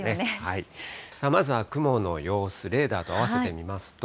まずは雲の様子、レーダーと合わせてみますと。